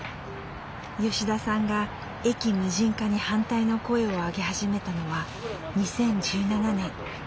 吉田さんが駅無人化に反対の声を上げ始めたのは２０１７年。